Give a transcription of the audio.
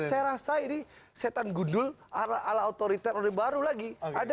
itu saya rasa ini setan gundul ala ala otoriter orde baru lagi